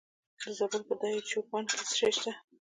د زابل په دایچوپان کې څه شی شته؟